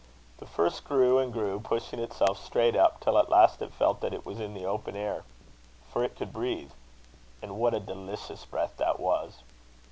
"The first grew and grew, pushing itself straight up, till at last it felt that it was in the open air, for it could breathe. And what a delicious breath that was!